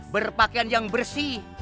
berpakaian yang bersih